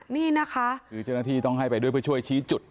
นี่นะคะคือเจ้าหน้าที่ต้องให้ไปด้วยเพื่อช่วยชี้จุด